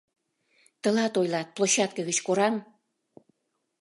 — Тылат ойлат: площадке гыч кораҥ!